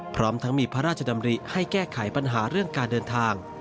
พร้อมทั้งมีพระราชดำริให้แก้ไขปัญหาเรื่องการเดินทาง